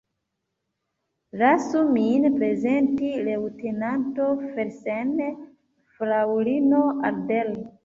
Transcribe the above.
Lasu min prezenti: leŭtenanto Felsen fraŭlino Adler.